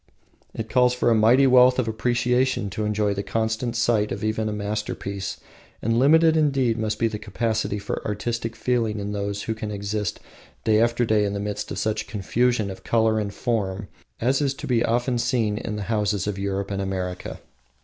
It calls for a mighty wealth of appreciation to enjoy the constant sight of even a masterpiece, and limitless indeed must be the capacity for artistic feeling in those who can exist day after day in the midst of such confusion of color and form as is to be often seen in the homes of Europe and America.